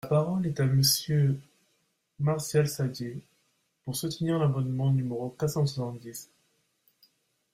La parole est à Monsieur Martial Saddier, pour soutenir l’amendement numéro quatre cent soixante-dix.